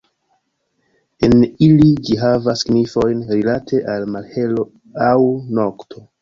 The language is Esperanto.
En ili ĝi havas signifojn rilate al malhelo aŭ nokto.